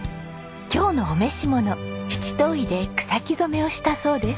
今日のお召し物七島藺で草木染をしたそうです。